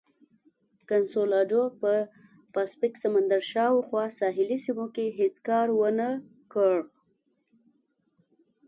کنسولاډو په پاسفیک سمندر شاوخوا ساحلي سیمو کې هېڅ کار ونه کړ.